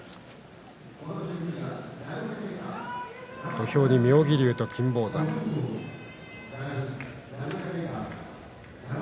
土俵は、妙義龍に金峰山です。